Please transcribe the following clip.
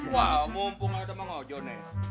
wah mumpung ada mak ojo nih